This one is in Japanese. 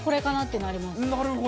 なるほど。